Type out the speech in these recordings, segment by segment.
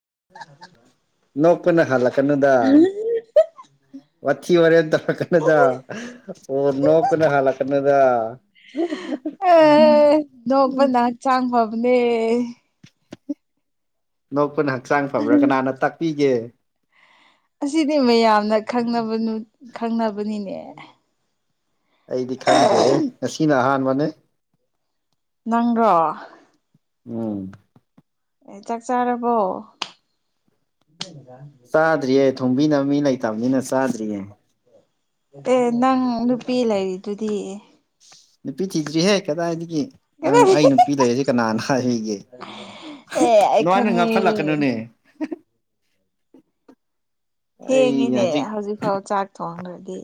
ꯎ [unintelligible] ꯅꯣꯛꯄꯅ ꯍꯥꯜꯂꯛꯀꯅꯨꯗ ꯋꯥꯊꯤ ꯋꯥꯔꯦꯝ ꯇꯧꯔꯛꯀꯅꯨꯗ ꯑꯣ ꯅꯣꯀꯄ ꯅ ꯍꯥꯂ ꯀꯩꯅꯣꯗ ꯎꯝ [unintelligible] ꯑꯦ ꯅꯣꯛꯄꯅ ꯍꯛꯆꯥꯡ ꯐꯕꯅꯦ ꯅꯣꯛꯄꯅ ꯍꯛꯆꯥꯡ ꯐꯕ꯭ꯔꯥ ꯀꯅꯥꯅ ꯇꯥꯛꯄꯤꯒꯦ ꯑꯁꯤꯗꯤ ꯃꯌꯥꯝꯅ ꯈꯪꯅꯕ ꯈꯪꯅꯕꯅꯤꯅꯦ ꯑꯩꯗꯤ ꯈꯪꯗꯦ ꯉꯁꯤꯅ ꯑꯍꯥꯟꯕꯅꯦ ꯅꯪꯔꯣ ꯎꯝ ꯑꯦ ꯆꯥꯛ ꯆꯥꯔꯕꯣ ꯆꯥꯗ꯭ꯔꯤꯌꯦ ꯊꯣꯡꯕꯤꯅꯕ ꯃꯤ ꯂꯩꯇꯕꯅꯤꯅ ꯆꯥꯗ꯭ꯔꯤꯌꯦ ꯑꯦ ꯅꯪ ꯅꯨꯄꯤ ꯂꯩꯔꯤꯗꯨꯗꯤ ꯅꯨꯄꯤ ꯊꯤꯗ꯭ꯔꯤꯍꯦ ꯀꯗꯥꯏꯗꯒꯤ ꯅꯪ ꯑꯩ ꯅꯨꯄꯤ ꯂꯩꯔꯁꯦ ꯀꯅꯥꯅ ꯑꯩꯒꯦ ꯑꯦ ꯑꯩ ꯅꯉꯥꯏꯅ ꯈꯪꯉꯦ ꯉꯥꯈꯠꯂꯛꯀꯅꯨꯅꯦ ꯑꯩ ꯊꯦꯡꯉꯤꯅꯦ ꯍꯧꯖꯤꯛ ꯍꯧꯖꯤꯛꯐꯥꯎ ꯆꯥꯛ ꯊꯣꯡꯗ꯭ꯔꯗꯤ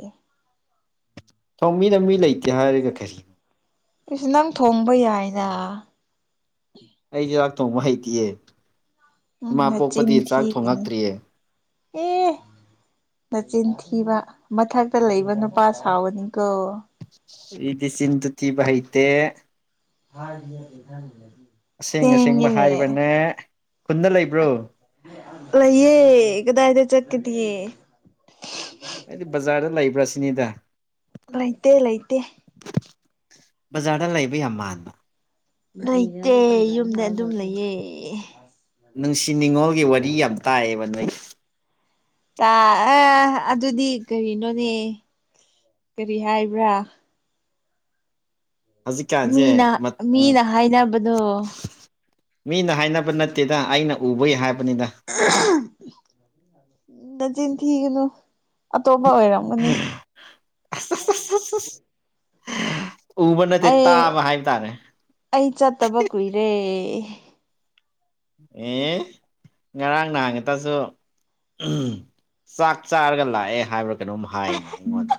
ꯊꯣꯡꯃꯤꯅ ꯃꯤ ꯂꯩꯇꯦ ꯍꯥꯏꯔꯒ ꯀꯔꯤ ꯑꯁ ꯅꯪ ꯊꯣꯡꯕ ꯌꯥꯏꯗ ꯑꯩ ꯆꯥꯛ ꯊꯣꯡꯕ ꯍꯩꯇꯤꯑꯦ ꯎꯝ ꯏꯃꯥ ꯅꯆꯤꯟ ꯄꯣꯛꯄꯗꯤ ꯆꯥꯛ ꯊꯤꯒꯅꯨ ꯊꯣꯡꯉꯛꯇ꯭ꯔꯤꯌꯦ ꯑꯦ ꯅꯆꯤꯟ ꯊꯤꯕ ꯃꯊꯛꯇ ꯂꯩꯕ ꯅꯨꯄꯥ ꯁꯥꯎꯕꯅꯤꯀꯣ ꯏꯗꯤ ꯁꯤꯟꯗꯨ ꯊꯤꯕ ꯑꯥꯏꯇꯦ ꯍꯥꯥ ꯏꯙꯟ ꯂꯩ ꯑꯁꯦꯡ ꯑꯁꯦꯡꯕ ꯍꯥꯏꯕꯅꯦ ꯈꯨꯟꯗ ꯂꯩꯕ꯭ꯔꯣ ꯂ ꯌꯦ ꯀꯗꯥ ꯍꯥꯏꯗ ꯆꯠꯀꯤꯗꯤꯌꯦ ꯑꯩꯗꯤ ꯕꯖꯥꯔꯗ ꯂꯩꯕ꯭ꯔꯥ ꯁꯤꯅꯤꯗ ꯂꯩꯇꯦ ꯂꯩꯇꯦ ꯕꯖꯥꯔꯗ ꯂꯩꯕ ꯌꯥꯝ ꯃꯥꯟꯕ ꯂꯩꯇꯦ ꯌꯨꯝꯗ ꯑꯗꯨꯝ ꯂꯩꯌꯦ ꯅꯨꯡꯁꯤ ꯅꯤꯉꯣꯜꯒꯤ ꯋꯥꯔꯤ ꯌꯥꯝ ꯇꯥꯛꯑꯕ ꯅꯣꯏ ꯇ ꯑ ꯑꯗꯨꯗꯤ ꯀꯔꯤꯅꯣꯅꯦ ꯀꯔꯤ ꯍꯥꯏꯕ꯭ꯔꯥ ꯍꯧꯖꯤꯛꯀꯥꯟꯁꯦ ꯃꯤꯅ ꯎ ꯃꯤꯅ ꯍꯥꯏꯅꯕꯗꯣ ꯃꯤꯅ ꯍꯥꯏꯅꯕ ꯅꯠꯇꯦꯗ ꯑꯩꯅ ꯎꯕꯩ ꯍꯥꯏꯕ ꯅꯆꯤꯟꯅꯤ ꯊꯅ ꯑꯇꯣꯞꯄ ꯑꯣꯏꯔꯝꯒꯅꯤ ꯑꯁ ꯑꯁ ꯑꯁ ꯑꯁ ꯑꯁ ꯎꯕ ꯅꯠꯇꯦ ꯑꯩ ꯇꯥꯕ ꯍꯥꯏꯕ ꯇꯥꯔꯦ ꯑꯩ ꯆꯠꯇꯕ ꯀꯨꯏꯔꯦ ꯑꯦ ꯉꯔꯥꯡ ꯅꯍꯉꯦ ꯇꯁꯨ ꯆꯥꯛ ꯆꯥꯔꯒ ꯂꯥꯛꯑꯦ ꯍꯥꯏꯕ ꯀꯩꯅꯣꯝ ꯍꯥꯏꯅꯦ ꯑꯩꯉꯣꯟꯗ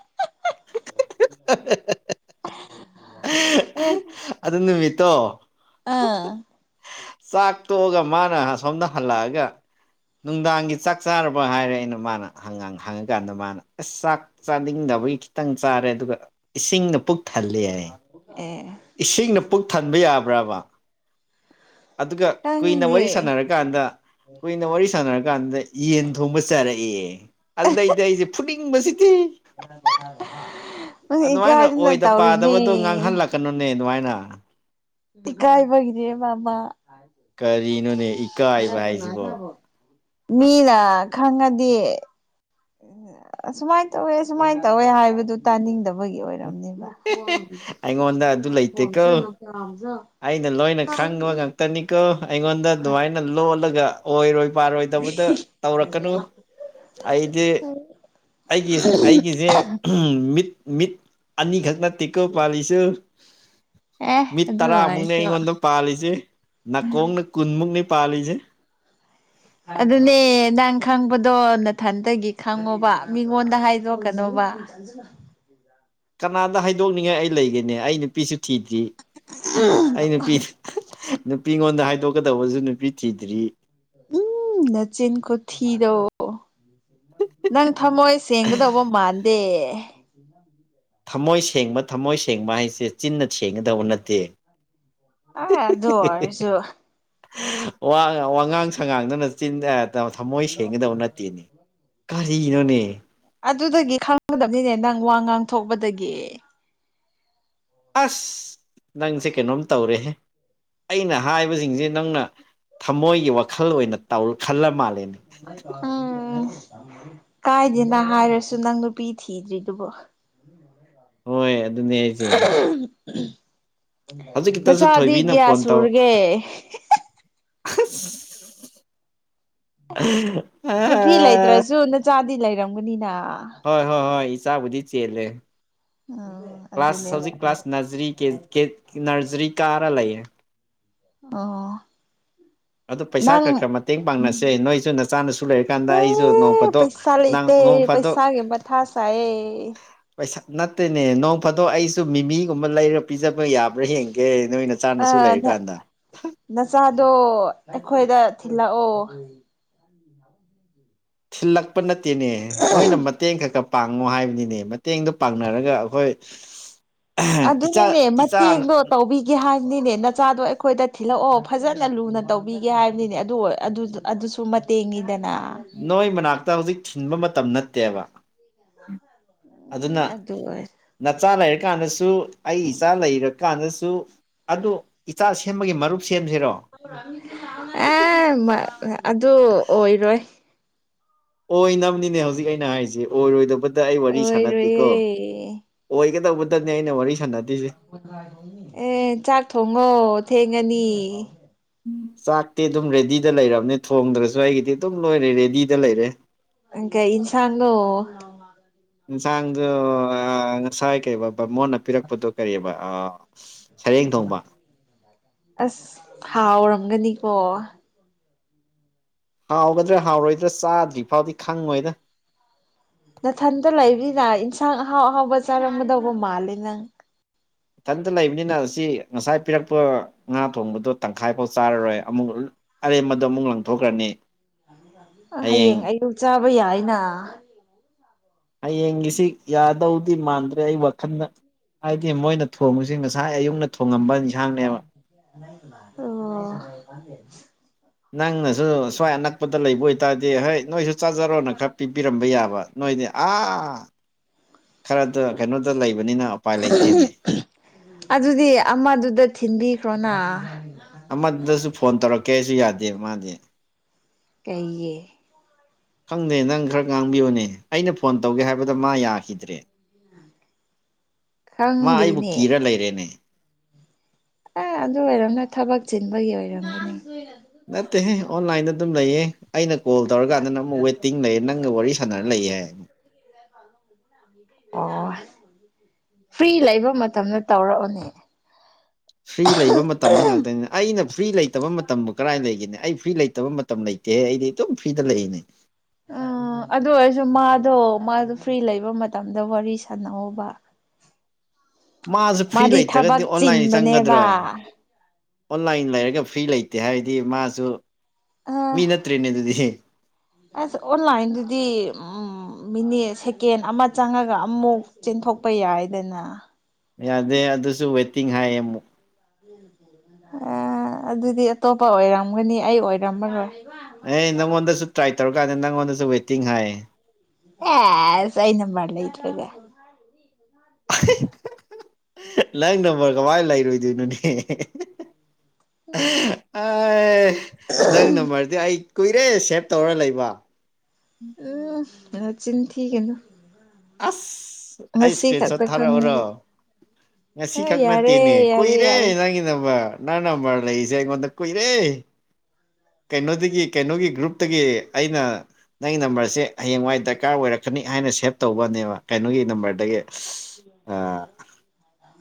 ꯑꯦ ꯑꯗꯨ ꯅꯨꯃꯤꯠꯇꯣ ꯑꯥ ꯆꯥꯛ ꯇꯣꯛꯑꯒ ꯃꯥꯅ ꯁꯣꯝꯗ ꯍꯜꯂꯛꯑꯒ ꯅꯨꯡꯗꯥꯡꯒꯤ ꯆꯥꯛ ꯆꯥꯔꯕ ꯍꯥꯏꯔꯦ ꯑꯩꯅ ꯃꯥꯅ ꯍꯉꯥꯡ ꯍꯪꯉꯀꯥꯟꯗ ꯃꯥꯅ ꯑꯁ ꯆꯥꯛ ꯆꯥꯅꯤꯡꯗ ꯇꯕꯒꯤ ꯈꯤꯇꯪ ꯆꯥꯔꯦ ꯑꯗꯨꯒ ꯏꯁꯤꯡꯅ ꯄꯨꯛ ꯊꯜꯂꯤ ꯍꯥꯏ ꯑꯦ ꯏꯁꯤꯡꯅ ꯄꯨꯛ ꯊꯟꯕ ꯌꯥꯕ꯭ꯔꯕ ꯑꯗꯨꯒ ꯀꯨꯏꯅ ꯈꯪꯗꯦ ꯋꯥꯔꯤ ꯁꯥꯟꯅꯔꯀꯥꯟꯗ ꯀꯨꯏꯅ ꯋꯥꯔꯤ ꯁꯥꯟꯅꯔꯀꯥꯟꯗ ꯌꯦꯟ ꯊꯣꯡꯕ ꯆꯥꯔꯛꯑꯦ ꯑꯗꯨꯗꯩꯗꯤ ꯑꯩꯁꯦ ꯐꯨꯅꯤꯡꯕꯁꯤ ꯑꯗꯨꯃꯥꯏꯅ ꯏꯀꯥꯏꯗꯅ ꯇꯧꯔꯤꯅꯦ ꯅꯅꯨꯡꯉꯥꯏꯅ ꯀꯥꯏꯕꯒꯗꯦ ꯃꯥꯕꯥ ꯀꯔꯤꯅꯣꯅꯦ ꯏꯀꯥꯏꯕ ꯍꯥꯏꯁꯤꯕꯣ ꯃꯤꯗ ꯈꯪꯉꯗꯤꯦ ꯎ ꯑ ꯁꯨꯃꯥꯏꯅ ꯇꯧꯋꯦ ꯁꯨꯃꯥꯏꯅ ꯇꯧꯋꯦ ꯍꯥꯏꯕꯗꯨ ꯇꯥꯅꯤꯡꯗꯕ ꯒꯤ ꯑꯣꯏꯔꯝꯅꯦꯕ ꯑꯩꯉꯣꯟꯗ ꯑꯗꯨ ꯂꯩꯇꯦꯀꯣ ꯑꯩꯅ ꯂꯣꯏꯅ ꯈꯪꯕ ꯉꯥꯛꯇꯅꯤꯀꯣ ꯑꯩꯉꯣꯟꯗ ꯑꯗꯨꯃꯥꯏꯅ ꯂꯣꯜꯂꯒ ꯑꯣꯏꯔꯣꯏ ꯄꯔꯣꯏꯗꯧꯕꯗ ꯇꯧꯔꯛꯀꯅꯨ ꯑꯩꯗꯤ ꯑꯩꯒꯤ ꯑꯩꯒꯤꯁꯦ ꯃꯤꯠ ꯃꯤꯠ ꯑꯅꯤ ꯈꯛꯇꯅ ꯇꯤꯀꯣ ꯄꯁꯨ ꯑꯦ ꯃꯤꯠ ꯑꯗꯨ ꯇꯔꯥꯃꯨꯛꯅꯤ ꯑꯣꯏꯔꯁꯨ ꯑꯩꯉꯣꯟꯗ ꯄꯥꯜꯂꯤꯁꯦ ꯅꯥꯀꯣꯡꯅ ꯀꯨꯟꯃꯨꯛꯅꯤ ꯄꯥ ꯂꯤꯖꯦ ꯑꯗꯨꯅꯦ ꯅꯪ ꯈꯪꯕꯗꯣ ꯅꯊꯟꯇꯒꯤ ꯈꯪꯉꯣꯕ ꯃꯤꯉꯣꯟꯗ ꯍꯥꯏꯗꯣꯛꯀꯅ [unintelligible] ꯀꯅꯥꯗ ꯍꯥꯏꯗꯣꯛꯅꯤꯡꯉꯥꯏ ꯑꯩ ꯂꯩꯒꯦꯅꯦ ꯑꯩ ꯅꯨꯄꯤꯁꯨ ꯊꯤꯗ꯭ꯔꯤ ꯑꯩꯅ ꯄꯤ ꯅꯨꯄꯤꯉꯣꯟꯗ ꯍꯥꯏꯗꯣꯛꯀꯗꯕꯁꯨ ꯅꯨꯄꯤ ꯊꯤꯗ꯭ꯔꯤ ꯎꯝ ꯅꯆꯤꯟ ꯈꯨꯣ ꯊꯤꯗꯣ ꯅꯪ ꯊꯃꯣꯏ ꯁꯦꯡꯒꯗꯧꯕ ꯃꯥꯟꯗꯦ ꯊꯝꯃꯣꯏ ꯁꯦꯡꯕ ꯊꯝꯃꯣꯏ ꯁꯦꯡꯕ ꯍꯥꯏꯁꯦ ꯆꯤꯟꯅ ꯊꯦꯡꯒꯗꯕ ꯅꯠꯇꯦ ꯑ ꯑ ꯑꯗꯨ ꯑꯣꯏꯔꯁꯨ ꯋꯥ ꯋꯥꯉꯥꯡ ꯁꯉꯥꯡꯗꯅ ꯆꯤꯟ ꯊꯝꯃꯣꯏ ꯁꯦꯡꯒꯗꯕ ꯅꯠꯇꯦꯅꯦ ꯀꯔꯤꯅꯣꯅꯦ ꯑꯗꯨꯗꯒꯤ ꯈꯪꯒꯗꯕꯅꯤꯅꯦ ꯅꯪ ꯋꯥ ꯉꯥꯡꯊꯣꯛꯄꯗꯒꯤ ꯑꯁ ꯅꯪꯁꯦ ꯀꯩꯅꯣꯝ ꯇꯧꯔꯦ ꯑꯩꯅ ꯍꯥꯏꯕꯁꯤꯡꯁꯦ ꯅꯪꯅ ꯊꯃꯣꯏꯒꯤ ꯋꯥꯈꯜ ꯑꯣꯏꯅ ꯇꯧ ꯈꯜꯂ ꯃꯥꯜꯂꯦꯅ ꯑꯥ ꯀꯥꯏꯗꯦꯅ ꯍꯥꯏꯔꯁꯨ ꯅꯪ ꯅꯨꯄꯤ ꯊꯤꯗ꯭ꯔꯤꯗꯨꯕꯣ ꯍꯣꯏ ꯑꯗꯨꯅꯦ ꯑꯩꯁꯦ ꯍꯧꯖꯤꯛꯀꯤꯇꯁꯨ ꯅꯆꯥꯥꯗꯤ ꯊꯣꯏꯕꯤꯅ ꯒ꯭ꯌꯥ ꯐꯣꯟ ꯇꯧ ꯁꯨꯔꯒꯦ [inaudible] ꯅꯨꯄꯤ ꯑ ꯂꯩꯇ꯭ꯔꯁꯨ ꯅꯆꯥꯗꯤ ꯂꯩꯔꯝꯒꯅꯤꯅ ꯍꯣꯏ ꯍꯣꯏ ꯍꯣꯏ ꯏ ꯆꯆꯥꯕꯨꯗꯤ ꯆꯦꯂꯦ ꯎꯝ ꯀ꯭ꯂꯥꯁ ꯑꯗꯨꯅꯦꯕ ꯍꯧꯖꯤꯛ ꯀ꯭ꯂꯥꯁ ꯅꯔꯤ ꯅꯔꯖꯔꯤ ꯀꯥꯔꯥ ꯂꯩꯌꯦ ꯑꯣ ꯑꯗꯨ ꯄꯩꯁꯥ ꯅꯪ ꯈꯔ ꯈꯔ ꯃꯇꯦꯡ ꯄꯥꯡꯅꯁꯦ ꯅꯣꯏꯁꯨ ꯅꯆꯥꯅꯁꯨ ꯁꯨ ꯂꯩꯔꯀꯥꯟꯗ ꯑꯩꯁꯨ ꯑꯦ ꯅꯣꯡꯗꯣ ꯄꯩꯁꯥ ꯂꯩꯇꯦ ꯅꯣꯡꯄꯗꯣ ꯄꯩꯁꯥꯒꯤ ꯃꯊꯥ ꯁꯥꯏꯌꯦ ꯄꯩꯁꯥ ꯅꯠꯇꯦꯅꯦ ꯅꯣꯡ ꯐꯥꯗꯣꯛ ꯑꯩꯁꯨ ꯃꯤꯃꯤꯒꯨꯝꯕ ꯂꯩꯔꯒ ꯄꯤꯖꯕ ꯌꯥꯕ꯭ꯔꯥ ꯍꯡꯒꯦ ꯑ ꯅ ꯅꯁꯥ ꯑꯗꯣ ꯑꯩꯈꯣꯏꯗ ꯊꯤꯜꯂꯛꯑꯣ ꯁꯤꯜꯂꯛꯄ ꯅꯠꯇꯦꯅꯦ ꯅꯣꯏꯅ ꯃꯇꯦꯡ ꯈꯛꯀ ꯄꯥꯡꯉꯣ ꯍꯥꯏꯕꯅꯤꯅꯦ ꯃꯇꯦꯡꯗꯣ ꯄꯥꯡꯅꯔꯒ ꯑꯩꯈꯣꯏ ꯏꯆꯥ ꯑꯗꯨꯅꯤꯅꯦ ꯏꯆꯥ ꯃꯇꯦꯡꯗꯣ ꯇꯧꯕꯤꯒꯦ ꯍꯥꯏ ꯅꯤꯅꯦ ꯅꯆꯥꯗꯣ ꯑꯩꯈꯣꯏꯗ ꯊꯤꯜꯂꯛꯑꯣ ꯐꯖꯅ ꯂꯨꯅ ꯇꯧꯕꯤꯒꯦ ꯍꯥꯏꯕꯅꯤꯅꯦ ꯑꯗꯨ ꯑꯗꯨꯁꯨ ꯃꯇꯦꯡꯅꯤ ꯅꯣꯏ ꯃꯅꯥꯛꯇ ꯍꯧꯖꯤꯛ ꯊꯤꯟꯕ ꯃꯇꯝ ꯅꯠꯇꯦꯕ ꯎꯝ ꯑꯗꯨꯅ ꯑꯗꯨ ꯅꯆꯥꯥꯂ ꯀꯥꯟꯗꯁꯨ ꯑꯩ ꯏꯆꯥ ꯂꯩꯔꯀꯥꯟꯗꯁꯨ ꯑꯗꯨ ꯒꯤ ꯃꯔꯨꯞ ꯁꯦꯝꯁꯤꯔꯣ ꯑꯦ ꯑꯗꯨ ꯑꯣꯏꯔꯣꯏ ꯑꯣꯏ ꯅꯝꯅꯤꯅꯦ ꯍꯧꯖꯤꯛ ꯑꯩꯅ ꯍꯥꯏꯔꯤꯁ ꯑꯣꯏꯔꯣꯏꯗꯕ ꯑꯩ ꯋꯥꯔꯤ ꯁꯥꯟꯅꯗꯦꯀꯣ ꯑꯣꯏꯔꯣꯏꯌꯦ ꯑꯣꯏꯒꯗꯧꯕꯗꯅꯤ ꯑꯩꯅ ꯋꯥꯔꯤ ꯁꯥꯟꯅꯗꯣꯏꯁꯦ ꯑꯦ ꯆꯥꯛ ꯊꯣꯡꯉꯣ ꯊꯦꯡꯉꯅꯤ ꯆꯥꯛꯇꯤ ꯑꯗꯨꯝ ꯔꯦꯗꯤꯗ ꯂꯩꯔꯕꯅꯦ ꯊꯣꯡꯗ꯭ꯔꯁꯨ ꯑꯩꯒꯤꯗꯤ ꯑꯗꯨꯝ ꯂꯣꯏꯔꯦ ꯔꯦꯗꯤꯗ ꯂꯩꯔꯦ ꯏꯪꯀ ꯏꯟꯁꯥꯥꯟ ꯌꯦꯟꯁꯥꯡꯗꯣ ꯉꯁꯥꯏ ꯀꯩ ꯕ ꯃꯣꯟꯅ ꯄꯤꯔꯛꯄꯗꯣ ꯀꯔꯤꯕ ꯑ ꯑꯁ ꯍꯥꯎꯔꯝꯒꯅꯤꯀꯣ ꯍꯥꯎꯒꯗ꯭ꯔꯥ ꯍꯥꯎꯔꯣꯏꯗ꯭ꯔꯥ ꯆꯥꯗ꯭ꯔꯤ ꯐꯥꯎꯗꯤ ꯈꯪꯉꯣꯏꯗ ꯅꯊꯟꯇ ꯂꯩꯕꯅ ꯏꯟꯁꯥꯡ ꯑꯍꯥꯎ ꯑꯍꯥꯎꯕ ꯆꯥꯔꯝꯒꯗꯧꯕ ꯃꯥꯜꯂꯦ ꯅꯪ ꯏꯊꯟꯇ ꯂꯩꯕꯅꯤꯅ ꯑꯁꯤ ꯉꯁꯥꯏ ꯄꯤꯔꯛꯄ ꯉꯥ ꯊꯣꯡꯕꯗꯣ ꯇꯪꯈꯥꯏꯐꯥꯎ ꯆꯥꯔꯔꯣꯏ ꯑꯃꯨꯛ ꯑꯔꯦ ꯃꯗꯨ ꯑꯃꯨꯛ ꯂꯪꯊꯣꯛꯈ꯭ꯔꯅꯤ ꯍꯌꯦꯡ ꯑꯌꯌꯨꯛ ꯆꯥꯕ ꯌꯥꯏꯅ ꯍꯌꯦꯡꯒꯤꯁꯤ ꯌꯥꯗꯧꯗꯤ ꯃꯥꯟꯗ꯭ꯔꯦ ꯑꯩ ꯋꯥꯈꯜꯗ ꯍꯥꯏꯗꯤ ꯃꯣꯏꯅ ꯊꯣꯡꯨꯕꯁꯤ ꯉꯁꯥꯏ ꯑꯌꯨꯛꯅ ꯊꯣꯡꯉꯝꯕ ꯏꯟꯁꯥꯡꯅꯦꯕ ꯑꯣ ꯅꯪꯅꯁꯨ ꯁ꯭ꯋꯥꯏ ꯑꯅꯛꯄꯗ ꯂꯩꯕ ꯑꯣꯏꯇꯥꯔꯗꯤ ꯍꯣꯏ ꯅꯣꯏꯁꯨ ꯆꯥꯖꯔꯣꯅ ꯈꯔ ꯄꯤꯕꯤꯔꯝꯕ ꯌꯥꯕ ꯅꯣꯏꯗꯤ ꯑꯥ ꯈꯔꯗ ꯀꯩꯅꯣꯗ ꯂꯩꯕꯅꯤꯅ ꯎꯄꯥꯏ ꯂꯩꯇꯦꯅꯦ ꯑꯗꯨꯗꯤ ꯑꯃꯗꯨꯗ ꯊꯤꯟꯕꯤꯈ꯭ꯔꯣꯅ ꯑꯃꯗꯁꯨ ꯐꯣꯟ ꯇꯧꯔꯛꯀꯦ ꯑꯩꯁꯨ ꯌꯥꯗꯦ ꯃꯥꯗꯤ ꯀꯩꯒꯤ ꯈꯪꯗꯦ ꯅꯪ ꯈꯔ ꯉꯥꯡꯕꯤꯌꯨꯅꯦ ꯑꯩꯅ ꯐꯣꯟ ꯇꯧꯒꯦ ꯍꯥꯏꯕꯗ ꯃꯥ ꯌꯥꯈꯤꯗ꯭ꯔꯦ ꯃꯥ ꯑꯩꯕꯨ ꯈꯪꯗꯦꯅꯦ ꯀꯤꯔ ꯂꯩꯔꯦꯅꯦ ꯑꯦ ꯑꯗꯨ ꯑꯣꯏꯔꯝꯅ ꯊꯕꯛ ꯆꯤꯟꯕꯒꯤ ꯑꯣꯏꯔꯝꯒꯅꯤ ꯅꯠꯇꯦ ꯑꯣꯟꯂꯥꯏꯟꯗ ꯑꯗꯨꯝ ꯂꯩꯌꯦ ꯑꯩꯅ ꯀꯣꯜ ꯇꯧꯔꯀꯥꯟꯗ ꯅꯪ ꯑꯃꯨꯛ ꯋꯦꯇꯤꯡ ꯂꯩꯌꯦ ꯅꯪꯒ ꯋꯥꯔꯤ ꯁꯥꯟꯅꯔ ꯂꯩꯌꯦ ꯍꯥꯏ ꯑꯣ ꯐ꯭ꯔꯤ ꯂꯩꯕ ꯃꯇꯝꯗ ꯇꯧꯔꯛꯑꯣꯅꯦ ꯐ꯭ꯔꯤ ꯂꯩꯕ ꯃꯇꯝꯗ ꯉꯥꯛꯇꯅꯤꯅ ꯑꯩꯅ ꯐ꯭ꯔꯤ ꯂꯩꯇꯕ ꯃꯇꯝꯕꯨ ꯀꯔꯥꯏ ꯂꯩꯒꯅꯤ ꯑꯩ ꯐ꯭ꯔꯤ ꯂꯩꯇꯕ ꯃꯇꯝ ꯂꯩꯇꯦꯍ ꯑꯩꯗꯤ ꯑꯗꯨꯝ ꯐ꯭ꯔꯤꯗ ꯂꯩꯔꯤꯅꯦ ꯑ ꯎ ꯑꯗꯨ ꯑꯣꯏꯔꯁꯨ ꯃꯥꯗꯣ ꯃꯥꯗꯣ ꯐ꯭ꯔꯤ ꯂꯩꯕ ꯃꯇꯝꯗ ꯋꯥꯔꯤ ꯁꯥꯟꯅꯍꯧꯕ ꯃꯥꯁꯨ ꯐ꯭ꯔꯤ ꯂꯩꯇ꯭ꯔꯒꯗꯤ ꯑꯣꯟꯂꯥꯏꯟ ꯆꯤꯟꯕꯅꯦꯕ ꯆꯪꯒꯗ꯭ꯔꯣ ꯑꯣꯟꯂꯥꯏꯟ ꯂꯩꯔꯒ ꯐ꯭ꯔꯤ ꯂꯩꯇꯦ ꯍꯥꯏꯗꯤ ꯃꯥꯁꯨ ꯑ ꯃꯤ ꯅꯠꯇ꯭ꯔꯦꯅꯦ ꯑꯗꯨꯗꯤ ꯑꯁ ꯑꯣꯟꯂꯥꯏꯟꯗꯗꯤ ꯎꯝ ꯃꯤꯅꯦ ꯁꯦꯀꯦꯟ ꯑꯃ ꯆꯪꯉꯒ ꯑꯃꯨꯛ ꯆꯦꯟꯊꯣꯛꯄ ꯌꯥꯏꯗꯅ ꯌꯥꯗꯦ ꯑꯗꯨꯁꯨ ꯋꯦꯠꯇꯤꯡ ꯍꯥꯏꯌꯦ ꯑꯃꯨꯛ ꯑ ꯑꯗꯨꯗꯤ ꯑꯇꯣꯞꯄ ꯑꯣꯏꯔꯝꯒꯅꯤ ꯑꯩ ꯑꯣꯏꯔꯝꯃꯔꯣꯏ ꯑꯦ ꯅꯪꯉꯣꯟꯗꯁꯨ ꯇ꯭ꯔꯥꯏ ꯇꯧꯔꯀꯥꯟꯗ ꯅꯪꯉꯣꯟꯗꯁꯨ ꯋꯦꯇꯤꯡ ꯍꯥꯏ ꯑꯦ ꯁꯥꯏꯩꯅꯝꯕꯥꯠꯂ ꯏꯇꯔꯒꯦ ꯅꯪ ꯅꯝꯕꯔ ꯀꯃꯥꯏꯅ ꯂꯩꯔꯣꯏꯗꯣꯏꯅꯣꯅꯦ ꯑ ꯅꯪ ꯅꯝꯕꯗꯤ ꯑꯩ ꯀꯨꯏꯔꯦ ꯁꯦꯚ ꯇꯧꯔ ꯂꯩꯕ ꯎ ꯆꯤꯟ ꯊꯤꯒꯅ ꯑꯁ ꯑꯩ ꯏꯁꯀ꯭ꯔꯤꯟ ꯁꯣꯠ ꯊꯥꯔꯛꯎꯔꯣ ꯈꯪꯅꯕ ꯉꯁꯤ ꯑ ꯈꯛ ꯌꯥꯔꯦ ꯅꯠꯇꯦꯅꯦ ꯌꯥꯔꯦ ꯀꯨꯏꯔꯦ ꯌꯥꯔꯦ ꯅꯪꯒꯤ ꯅꯝꯕ ꯅ ꯅꯝꯕꯔꯦ ꯏꯁꯦꯗ ꯀꯏꯔꯦ ꯀꯩꯅꯣꯗꯒꯤ ꯀꯩꯅꯣꯒꯤ ꯒ꯭ꯔꯨꯞꯇꯒꯤ ꯑꯩꯅ ꯅꯪꯒꯤ ꯅꯝꯕꯔꯁꯦ ꯍꯌꯦꯡꯋꯥꯏꯗ ꯗꯔꯀꯥꯔ ꯑꯣꯏꯔꯛꯀꯅꯤ ꯍꯥꯏꯅ ꯁꯦꯞ ꯇꯧꯕꯅꯦꯕ ꯀꯩꯅꯣꯒꯤ ꯅꯝꯕꯔꯗꯒꯤ ꯑ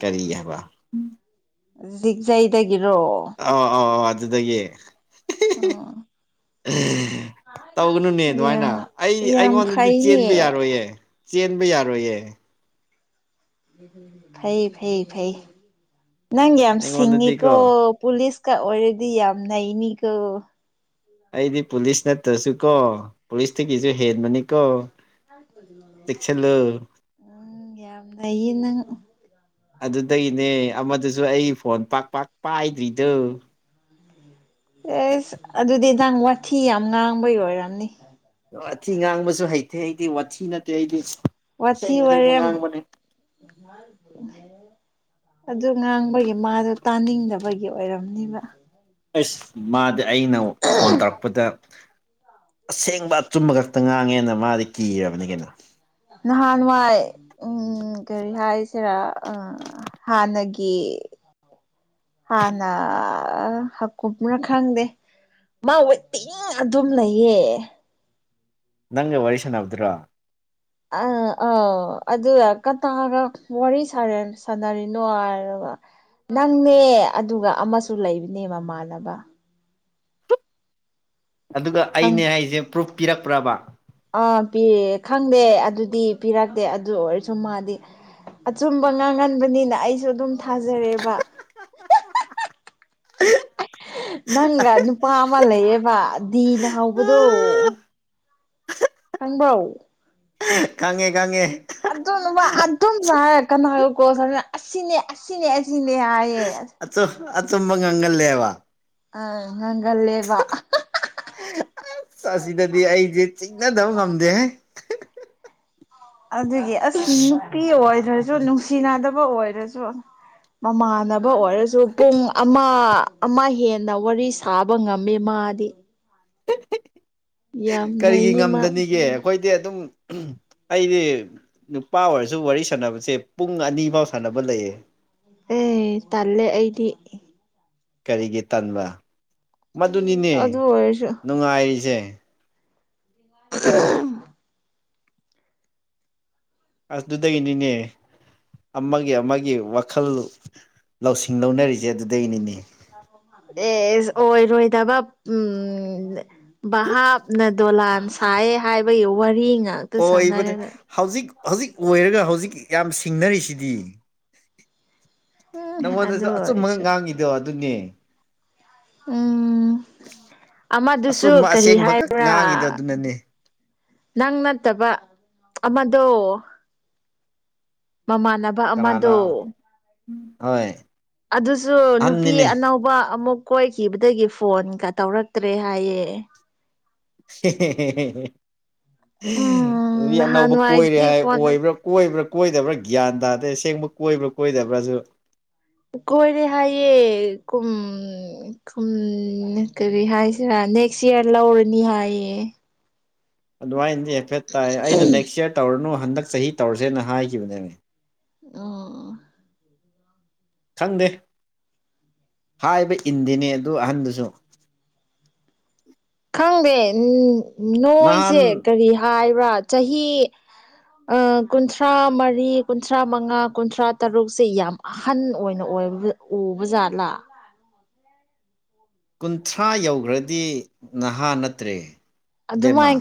ꯀꯔꯤ ꯍꯥꯏꯕ ꯖꯤꯛꯖꯥꯏꯗ ꯑ ꯑꯥꯎ ꯑ ꯑꯗꯨꯗꯒꯤ ꯑꯣ ꯇꯧꯒꯅꯨꯅꯦ ꯑꯗꯨꯃꯥꯏꯅ ꯌꯥꯝ ꯑꯩ ꯌꯥꯝ ꯑꯩꯉꯣꯟꯗꯗꯤ ꯆꯦꯟꯕ ꯐꯩꯅꯦ ꯌꯥꯔꯣꯏꯌꯦ ꯆꯦꯟꯕ ꯌꯥꯔꯣꯏꯌꯦ ꯐꯩ ꯐꯩ ꯐꯩ ꯅꯪ ꯌꯥꯝ ꯁꯤꯡꯉꯤꯀꯣ ꯑꯩꯉꯣꯟꯗꯗꯤꯀꯣ ꯄꯨꯂꯤꯁ ꯀ ꯑꯣꯏꯔꯗꯤ ꯌꯥꯝ ꯅꯅꯤꯀꯣ ꯑꯩꯗꯤ ꯄꯨꯂꯤꯁ ꯅꯠꯇ꯭ꯔꯁꯨ ꯀꯣ ꯄꯨꯂꯤꯁꯇꯒꯤꯁꯨ ꯍꯦꯟꯕꯅꯤꯀꯣ ꯆꯦꯛꯁꯤꯜꯂꯨ ꯎꯝ ꯌꯥꯝꯅꯏꯌꯦ ꯅꯪ ꯑꯗꯨꯗꯒꯤꯅꯦ ꯑꯃꯗꯨꯁꯨ ꯑꯩ ꯐꯣꯟ ꯄꯥꯛ ꯄꯥꯛ ꯄꯥꯏꯗ꯭ꯔꯤꯗꯨ ꯑꯦꯁ ꯑꯗꯨꯗꯤ ꯅꯥꯡ ꯋꯥꯊꯤ ꯌꯥꯝ ꯉꯥꯡꯕꯩ ꯑꯣꯏꯔꯝꯅꯤ ꯋꯥꯊꯤ ꯉꯥꯡꯕꯁꯨ ꯍꯩꯇꯦ ꯍꯩꯇꯦ ꯋꯥꯊꯤ ꯅꯠꯇꯦ ꯍꯩꯗꯤ ꯋꯥꯊꯤ ꯑꯣꯏꯔꯦ ꯑꯗꯨ ꯉꯥꯡꯕꯒꯤ ꯃꯥꯗꯣ ꯇꯥꯅꯤꯡꯗꯕꯒꯤ ꯑꯣꯏꯔꯝꯅꯤꯕ ꯑꯁ ꯃꯥꯗꯤ ꯑꯩꯅ ꯐꯣꯟ ꯇꯧꯔꯛꯄꯗ ꯑꯁꯦꯡꯕ ꯑꯆꯨꯝꯕ ꯈꯛꯇ ꯉꯥꯡꯉꯦꯅ ꯃꯥꯗꯤ ꯀꯤꯔꯕꯅꯤ ꯀꯩꯅꯣ ꯅꯍꯥꯟꯥꯟꯅꯨꯡꯋꯥꯏ ꯎꯝ ꯎꯝ ꯀꯔꯤ ꯍꯥꯏꯁꯤꯔꯥ ꯑ ꯍꯥꯟꯅꯒꯤ ꯍꯥꯟꯅ ꯍꯀꯨꯞꯅ ꯈꯪꯗꯦ ꯃꯥ ꯑꯣꯏꯋ ꯇꯤꯡ ꯑꯗꯨꯝ ꯂꯩꯌꯦ ꯅꯪ ꯋꯥꯔꯤꯁꯟꯕꯗ꯭ꯔꯣ ꯑꯥ ꯑꯥ ꯑꯗꯨ ꯀ ꯇꯒ ꯋꯥꯔꯤ ꯁꯥ ꯁꯥꯟꯅꯔꯤꯅꯣ ꯍꯥꯏ ꯅꯪꯅꯦ ꯑꯗꯨꯒ ꯑꯃꯁꯨ ꯂꯩꯕꯅꯦ ꯃꯃꯥꯟꯅꯕ ꯑꯗꯨꯒ ꯈꯪ ꯑꯩꯅꯦ ꯍꯥꯏꯁꯦ ꯄ꯭ꯔꯨꯐ ꯄꯤꯔꯛꯄ꯭ꯔꯕ ꯄꯤ ꯈꯪꯗꯦ ꯑꯗꯨꯗꯤ ꯄꯤꯔꯛꯇꯦ ꯑꯗꯨ ꯑꯣꯏꯔꯁꯨ ꯃꯥꯗꯤ ꯑꯆꯨꯝꯕ ꯉꯥꯡꯍꯟꯕꯅꯤꯅ ꯑꯩꯁꯨ ꯑꯗꯨꯝ ꯊꯥꯖꯔꯦꯕ ꯑ ꯅꯪꯒ ꯅꯨꯄꯥ ꯑꯃ ꯂꯩꯌꯦꯕ ꯗꯤꯅ ꯍꯧꯕꯗꯣ ꯊꯪꯕꯎ ꯀꯥꯡꯉꯦ ꯀꯥꯡꯉꯦ ꯑꯗꯨꯕ ꯑꯗꯨꯝꯁꯨ ꯍꯥꯏꯔ ꯀꯩꯅꯣ ꯍꯥꯏꯀꯣ ꯑꯁꯤꯅꯦ ꯑꯁꯤꯅꯦ ꯑꯁꯤꯅꯦ ꯍꯥꯏꯌꯦ ꯑꯣ ꯑ ꯇꯝꯕ ꯉꯪꯜ ꯂꯩꯦ ꯋꯥ ꯑ ꯍ ꯂꯩꯦ ꯋꯥ ꯆ ꯑꯁꯤꯗꯗꯤ ꯑꯩꯁꯦ ꯆꯤꯡꯅꯗꯕ ꯉꯝꯗꯦ ꯑꯗꯨꯒꯤ ꯑꯁ ꯅꯨꯄꯤ ꯑꯣꯏꯗ꯭ꯔꯁꯨ ꯅꯨꯡꯁꯤꯅꯗꯕ ꯑꯣꯏꯔꯁꯨ ꯃꯃꯥꯟꯅꯕ ꯑꯣꯏꯔꯁꯨ ꯄꯨꯡ ꯑꯃ ꯑꯃ ꯍꯦꯟꯅ ꯋꯥꯔꯤ ꯁꯥꯕ ꯉꯝꯃꯦꯃ ꯃꯥꯥꯗꯤ ꯀꯔꯤꯒꯤ ꯅꯩꯌꯦ ꯃꯥ ꯉꯝꯗꯅꯤꯒꯦ ꯑꯩꯈꯣꯏꯗꯤ ꯑꯗꯨꯝ ꯑꯩꯗꯤ ꯅꯨꯄꯥ ꯑꯣꯏꯔꯁꯨ ꯋꯥꯔꯤ ꯁꯥꯟꯅꯕꯁꯦ ꯄꯨꯡ ꯑꯅꯤ ꯐꯥꯎ ꯁꯥꯟꯅꯕ ꯂꯩꯌꯦ ꯑꯦ ꯇꯂꯦ ꯑꯩꯗꯤ ꯀꯔꯤꯒꯤ ꯇꯟꯥꯟꯕ ꯃꯗꯨꯅꯤꯅꯦ ꯑꯗꯨ ꯑꯣꯏꯔꯁꯨ ꯅꯨꯡꯉꯥꯏꯔꯤꯁꯦ ꯑꯁ ꯑꯗꯨꯗꯒꯤꯅꯤꯅꯦ ꯑꯃꯒꯤ ꯑꯃꯒꯤ ꯋꯥꯈꯜ ꯂꯧꯁꯤꯡ ꯂꯧꯅꯔꯤꯁꯦ ꯑꯗꯨꯩꯅꯤꯅꯦ ꯑꯦ ꯑꯣꯏꯔꯣꯏꯗꯕ ꯎꯝ ꯚꯥꯞꯅ ꯗꯣꯂꯥꯟ ꯁꯥꯏꯌꯦ ꯍꯥꯏꯕꯒꯤ ꯋꯥꯔꯤ ꯉꯥꯛꯇ ꯍꯕꯅꯦ ꯁꯥꯟꯅꯔꯒ ꯍꯧꯖꯤꯛ ꯍꯧꯖꯤꯛ ꯑꯣꯏꯔꯒ ꯍꯧꯖꯤꯛ ꯌꯥꯝ ꯁꯤꯡꯅꯔꯤꯁꯤꯗꯤ ꯎꯝ ꯑꯗꯨ ꯅꯪꯉꯣꯟꯗꯁꯨ ꯑꯆꯨꯝꯕꯒ ꯑꯣꯏꯔꯁꯨ ꯉꯥꯡꯉꯤꯗꯣ ꯑꯗꯨꯅꯦ ꯎꯝ ꯑꯃꯗꯨꯁꯨ ꯑꯆꯨꯝꯕ ꯀꯔꯤ ꯑꯁꯦꯡꯕꯈꯛ ꯍꯥꯏꯕ꯭ꯔꯥ ꯉꯥꯡꯉꯤꯗꯣ ꯑꯗꯨꯅꯅꯦ ꯅꯪ ꯅꯠꯇꯕ ꯑꯃꯗꯣ ꯃꯃꯥꯟꯅꯕ ꯑꯃꯗꯣ ꯀꯅꯥꯅꯣ ꯍꯣꯏ ꯑꯗꯨꯁꯨ ꯅꯨꯄꯤ ꯑꯍꯟꯅꯤꯅꯦ ꯑꯅꯧꯕ ꯑꯃꯨꯛ ꯀꯣꯏꯈꯤꯕꯗꯒꯤ ꯐꯣꯟꯒ ꯇꯧꯔꯛꯇ꯭ꯔꯦ ꯍꯥꯏꯌꯦ ꯎꯝ ꯑꯅꯧꯕ ꯀꯣꯏꯔꯦ ꯅꯍꯥꯟꯋꯥꯏꯗꯤ ꯍꯥꯏ ꯐꯣꯟ ꯑꯣꯏꯕ꯭ꯔꯥ ꯀꯣꯏꯕ꯭ꯔꯥ ꯀꯣꯏꯗꯕ꯭ꯔꯥ ꯒ꯭ꯌꯥꯟ ꯇꯥꯗꯦ ꯑꯁꯦꯡꯕ ꯀꯣꯏꯕ꯭ꯔꯥ ꯀꯣꯏꯗꯕ꯭ꯔꯥꯁꯨ ꯀꯣꯏꯔꯦ ꯍꯥꯏꯌꯦꯦꯨꯝꯨꯝ ꯀꯔꯤ ꯍꯥꯏꯁꯤꯔ ꯅꯦꯛꯁ ꯏꯌꯔ ꯂ ꯑꯣꯔꯅꯤ ꯍꯥꯏꯦ ꯑꯗꯨꯃꯥꯏꯅꯗꯤ ꯍꯥꯏꯐꯦꯠ ꯇꯥꯏ ꯑꯩꯅ ꯅꯦꯛꯁ ꯏꯔ ꯇꯧꯔꯅꯨ ꯍꯟꯗꯛ ꯆꯍꯤ ꯇꯧꯔꯁꯦꯅ ꯍꯥꯏꯈꯤꯕꯅꯦꯅꯦ ꯑꯣ ꯈꯪꯗꯦ ꯍꯥꯏꯕ ꯏꯟꯗꯤꯦꯅꯦ ꯑꯗꯨ ꯑꯍꯟꯗꯨꯁꯨ ꯈꯪꯗꯦ ꯎꯝ ꯅꯍꯥꯟ ꯅꯣꯏꯁꯦ ꯀꯔꯤ ꯍꯥꯏꯕ꯭ꯔꯥ ꯆꯍꯤ ꯀꯨꯟꯊ꯭ꯔꯥ ꯃꯔꯤ ꯀꯨꯟꯊ꯭ꯔꯥ ꯃꯉꯥ ꯀꯨꯟꯊ꯭ꯔꯥ ꯇꯔꯨꯛꯁꯦ ꯌꯥꯝ ꯑꯍꯟ ꯑꯣꯏꯅ ꯑꯣꯏ ꯎꯕꯖꯥꯠꯂ ꯀꯨꯟꯊ꯭ꯔꯥ ꯌꯧꯈ꯭ꯔꯗꯤ ꯅꯍꯥ ꯅꯠꯇ꯭ꯔꯦ ꯑꯗꯨꯃ ꯏꯕꯦꯝꯃ